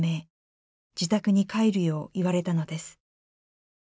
自宅に帰るよう言われたのです。